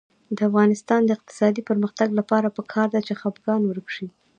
د افغانستان د اقتصادي پرمختګ لپاره پکار ده چې خپګان ورک شي.